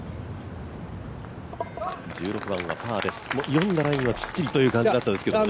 読んだラインはきっちりという感じだったんですけどね。